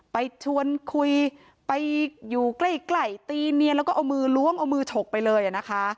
ไปชวนคุยไปอยู่ใกล้ตีเมียแล้วก็เอามือล้วงเอามือฉกไปเลยนะคะ